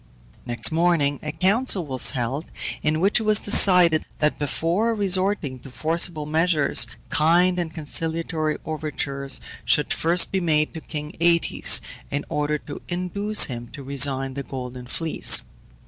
Next morning a council was held, in which it was decided, that before resorting to forcible measures kind and conciliatory overtures should first be made to king Aëtes in order to induce him to resign the Golden Fleece.